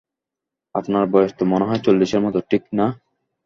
আপনার বয়স তো মনে হয় চল্লিশের মতো, ঠিক না?